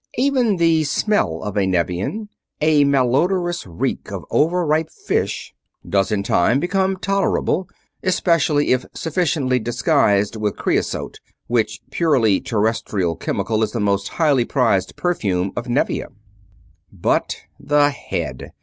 Even the smell of a Nevian a malodorous reek of over ripe fish does in time become tolerable, especially if sufficiently disguised with creosote, which purely Terrestrial chemical is the most highly prized perfume of Nevia. But the head!